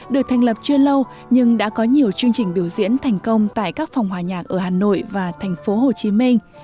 được thành lập chưa lâu nhưng đã có nhiều chương trình biểu diễn thành công tại các phòng hòa nhạc ở hà nội và thành phố hồ chí minh